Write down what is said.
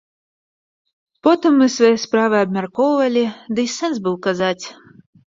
Потым мы свае справы абмяркоўвалі, ды й сэнс быў казаць?